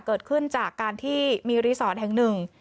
เกิดขึ้นจากการที่มีรีสอร์ทแห่งหนึ่ง